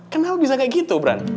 kenapa bisa kayak gitu brun